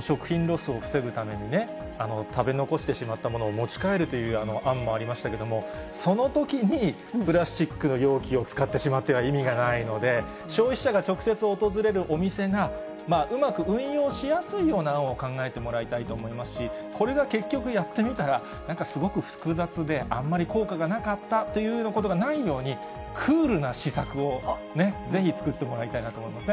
食品ロスを防ぐためにね、食べ残してしまったものを持ち帰るという案もありましたけども、そのときにプラスチックの容器を使ってしまっては意味がないので、消費者が直接訪れるお店が、うまく運用しやすいような案を考えてもらいたいと思いますし、これが結局、やってみたら、なんかすごく複雑で、あんまり効果がなかったというようなことがないように、クールな施策をね、ぜひ、作ってもらいたいなと思いますね。